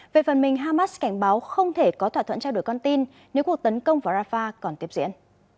về phần mình hamas cảnh báo không thể có thỏa thuận trao đổi con tin nếu cuộc tấn công vào rafah còn tiếp diễn